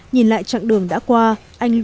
nhìn lại chặng đường đã qua anh